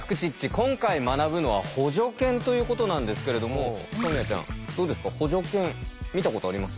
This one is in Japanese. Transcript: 今回学ぶのは補助犬ということなんですけれどもソニアちゃんどうですか補助犬見たことあります？